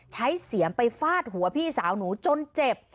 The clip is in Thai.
เสียมไปฟาดหัวพี่สาวหนูจนเจ็บ